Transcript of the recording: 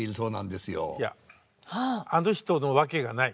いやあの人のわけがない。